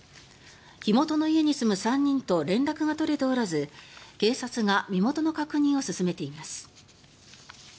火元の家に住む３人と連絡が取れておらず警察が身元の確認を進めています。